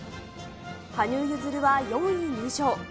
羽生結弦は４位入賞。